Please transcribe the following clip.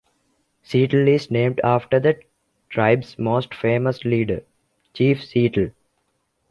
Seattle is named after the tribe's most famous leader, Chief Seattle.